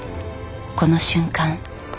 この瞬間